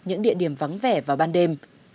những địa điểm vắng vẻ vào ban đêm